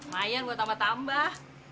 mayan gua tambah tambah